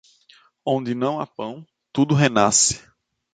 Onde não há pão, tudo renasce.